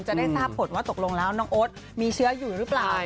จะได้ทราบผลว่าตกลงแล้วน้องโอ๊ตมีเชื้ออยู่หรือเปล่า